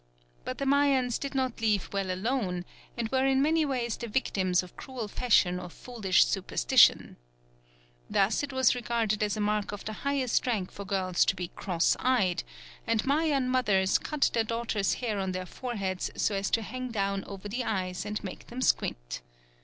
But the Mayans did not leave well alone, and were in many ways the victims of cruel fashion or foolish superstition. Thus it was regarded as a mark of the highest rank for girls to be cross eyed, and Mayan mothers cut their daughters' hair on their foreheads so as to hang down over the eyes and make them squint.